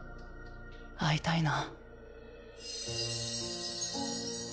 会いたいな。